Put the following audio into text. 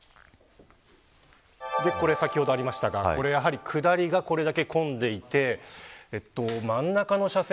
先ほど、ありましたが下りがこれだけ混んでいて真ん中の車線。